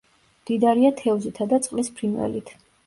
მდიდარია თევზითა და წყლის ფრინველით.